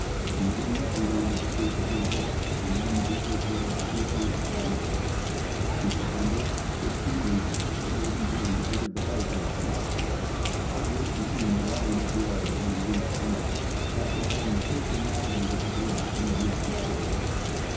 In June he rounded the Cape of Good Hope and then beat his way up the Atlantic to England. In September 1580 the Golden Hind entered the harbour of Plymouth. How Drake became the lion of the hour when he reached England, after having circumnavigated the globe, need not be told.